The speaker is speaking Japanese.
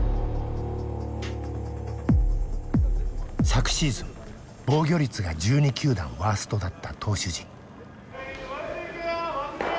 昨シーズン防御率が１２球団ワーストだった投手陣。